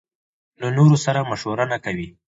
له نورو سره مشوره نکوي.